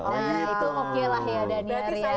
nah itu oke lah ya daniar ya